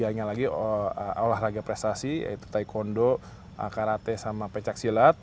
tiga nya lagi olahraga prestasi yaitu taekwondo karate sama pecak silat